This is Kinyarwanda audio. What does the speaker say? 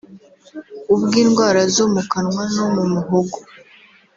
ubw’indwara zo mu kanwa no mu muhogo